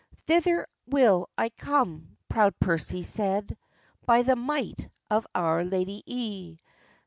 "Thither will I come," proud Percy said, "By the might of Our Ladye!"